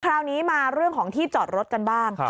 คราวนี้มาเรื่องของที่จอดรถกันบ้าง